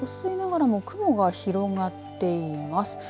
この時間、薄いながらも雲が広がっています。